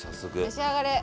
召し上がれ！